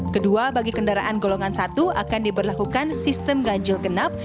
kedua bagi kendaraan golongan satu akan diberlakukan sistem ganjil genap